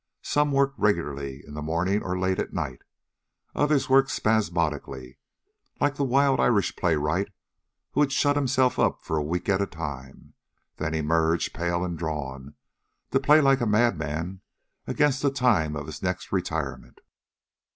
Some worked regularly, in the morning or late at night. Others worked spasmodically, like the wild Irish playwright, who would shut himself up for a week at a time, then emerge, pale and drawn, to play like a madman against the time of his next retirement.